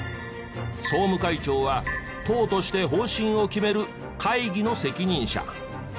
総務会長は党として方針を決める会議の責任者。